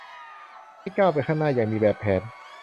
ให้ก้าวไปข้างหน้าอย่างมีแบบแผน